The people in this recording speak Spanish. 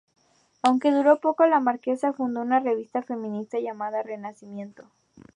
Aunque duró poco, la Marquesa fundó una revista feminista llamada "Renacimiento".